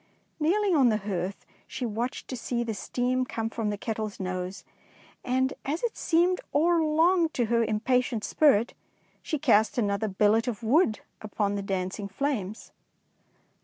Kneeling on the hearth, she watched to see the steam come from the kettle's nose, and as it seemed o'er long to her impatient spirit, she cast another billet of wood upon the dancing flames.